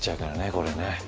これね。